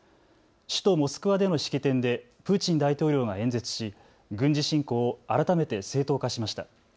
首都モスクワでの式典でプーチン大統領が演説し軍事侵攻を改めて正当化しました。